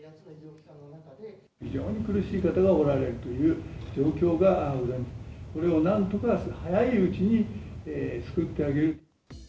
非常に苦しい方がおられるという状況があるわけで、これを何とか早いうちに救ってあげる。